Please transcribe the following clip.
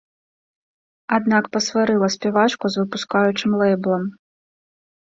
Аднак пасварыла спявачку з выпускаючым лэйблам.